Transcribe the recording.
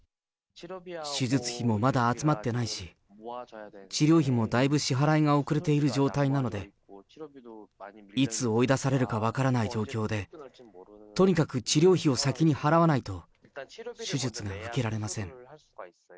手術費もまだ集まってないし、治療費もだいぶ支払いが遅れている状態なので、いつ追い出されるか分からない状況で、とにかく治療費を先に払わないと、手術が受けられません。